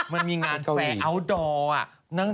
มันมีงานแฟร์อัลดอร์